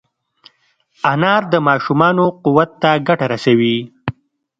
انار د ماشومانو قوت ته ګټه رسوي.